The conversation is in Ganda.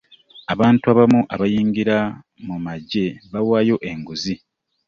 abantu abamu abayingira mu maggye bawaayo enguzi.